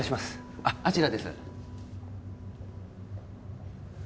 あっあちらです